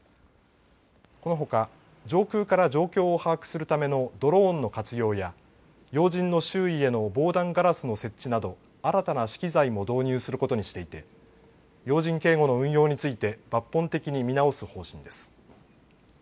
このほか上空から状況を把握するためのドローンの活用や要人の周囲への防弾ガラスの設置など新たな資機材も導入することにしていて要人警護の運用について抜本的に見直す方針です。